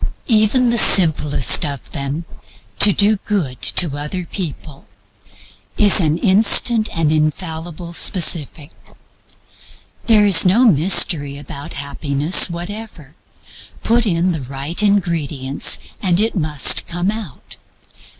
Even the simplest of them to do good to other people is an instant and infallible specific. There is no mystery about Happiness whatever. Put in the right ingredients and it must come out.